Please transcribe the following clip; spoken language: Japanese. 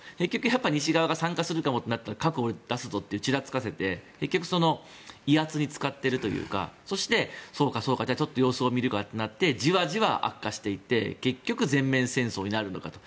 西側が参加するかもとなったら核を出すぞとちらつかせて結局、威圧に使っているというかそして、そうかそうかじゃあ様子を見るかってなってじわじわ悪化していって結局全面戦争になるのかと。